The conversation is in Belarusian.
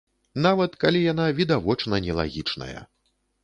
Нават калі яна відавочна нелагічная.